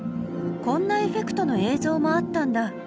こんなエフェクトの映像もあったんだ。